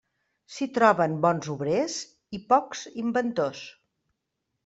S'hi troben bons obrers i pocs inventors.